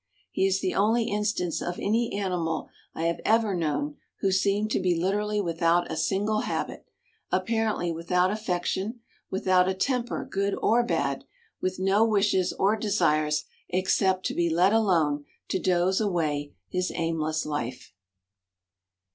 He is the only instance of any animal I have ever known who seemed to be literally without a single habit, apparently without affection, without a temper good or bad, with no wishes or desires except to be let alone to doze away his aimless life.